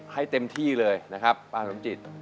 ให้เต็มที่เลยนะครับป้าสมจิต